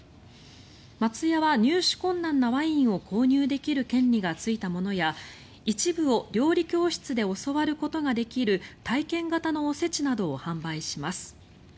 松屋は入手困難なワインを購入できる権利がついたものや一部を料理教室で教わることができる体験型のお節などを販売します。